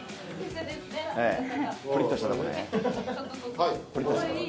はい！